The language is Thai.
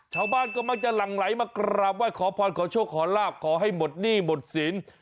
ชาวบ้านก็มักจะหลั่งไหลมากราบไหว้ขอพรขอโชคขอลาบขอให้หมดหนี้หมดศีล